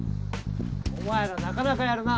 お前らなかなかやるな。